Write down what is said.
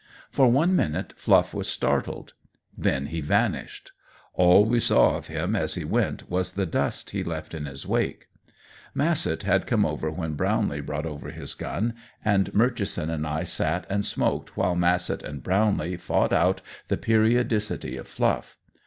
For one minute Fluff was startled. Then he vanished. All we saw of him as he went was the dust he left in his wake. Massett had come over when Brownlee brought over his gun, and Murchison and I sat and smoked while Massett and Brownlee fought out the periodicity of Fluff.